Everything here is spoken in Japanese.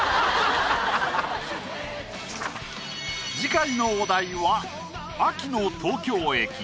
次回のお題は「秋の東京駅」。